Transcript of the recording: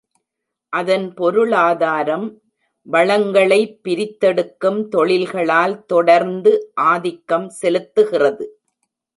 அதன் பொருளாதாரம் வளங்களை பிரித்தெடுக்கும் தொழில்களால் தொடர்ந்து ஆதிக்கம் செலுத்துகிறது.